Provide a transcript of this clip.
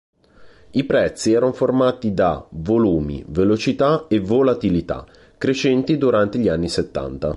I prezzi erano formati da volumi, velocità e volatilità crescenti durante gli anni settanta.